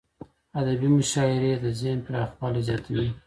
ادبي مشاعريد ذهن پراخوالی زیاتوي.